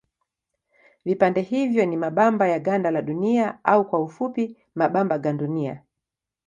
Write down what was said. Vipande hivyo ni mabamba ya ganda la Dunia au kwa kifupi mabamba gandunia.